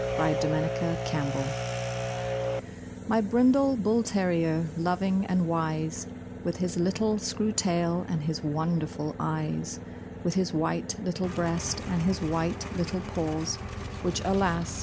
MY BRINDLE BULL TERRIER My brindle bull terrier, loving and wise, With his little screw tail and his wonderful eyes, With his white little breast and his white little paws Which, alas!